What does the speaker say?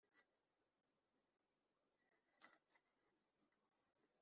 Mu gihe uwo mubare uhari nzaza